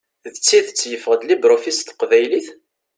D tidet yeffeɣ-d LibreOffice s teqbaylit?